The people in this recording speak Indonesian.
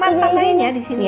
mantap nanya di sini